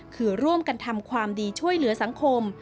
คือร่วมกันทำความดีช่วยเหลือสังคม